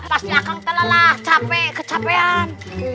pasti akang telalah capek kecapean